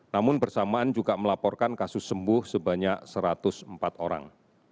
namun bersamaan juga melaporkan kasus sembuh sebanyak satu ratus empat orang